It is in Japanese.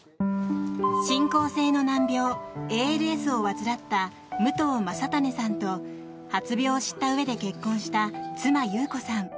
進行性の難病、ＡＬＳを患った武藤将胤さんと発病を知ったうえで結婚した妻・木綿子さん。